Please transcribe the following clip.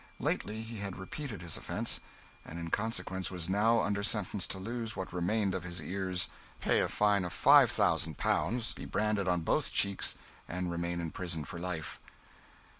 Lately he had repeated his offence; and in consequence was now under sentence to lose what remained of his ears, pay a fine of 5,000 pounds, be branded on both cheeks, and remain in prison for life.